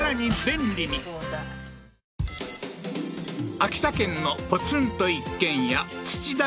秋田県のポツンと一軒家土田